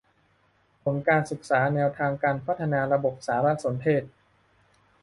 ผลการศึกษาแนวทางการพัฒนาระบบสารสนเทศ